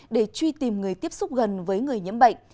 để truy tìm người tiếp xúc gần với người nhiễm bệnh